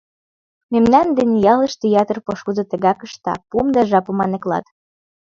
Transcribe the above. Мемнан дене ялыште ятыр пошкудо тыгак ышта: пум да жапым аныклат.